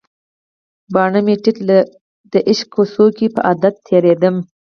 باڼه مې ټیټ د عشق کوڅو کې په عادت تیریدم